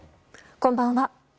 こんばんは。